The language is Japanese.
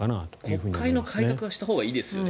国会の改革はしたほうがいいですよね。